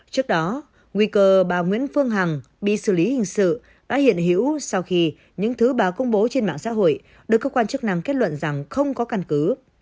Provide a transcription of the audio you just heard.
trước đó nguy cơ bà nguyễn phương hằng bị xử lý hình sự đã hiện hữu sau khi những thứ báo công bố trên mạng xã hội được cơ quan chức năng kết luận rằng không có căn cứ